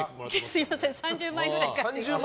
すみません３０枚ぐらい書いちゃって。